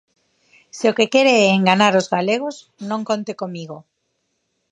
Se o que quere é enganar os galegos, non conte comigo.